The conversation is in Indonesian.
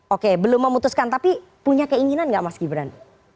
oke belum memutuskan tapi punya keinginan nggak mas gibran